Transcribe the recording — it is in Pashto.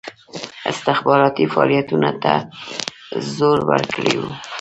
استخباراتي فعالیتونو ته زور ورکړی وو.